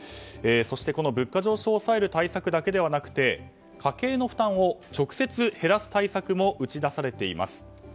そして、物価上昇を抑える対策だけではなくて家計の負担を直接減らす対策も打ち出されています。